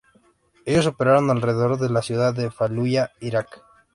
Ellos operaron alrededor de la ciudad de Faluya, Iraq.